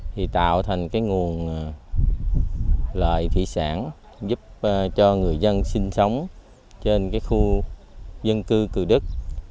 thì tạo thành cái nguồn lợi thủy sản giúp cho người dân sinh sống trên cái khu dân cư cừu đức